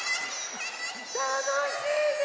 たのしいね！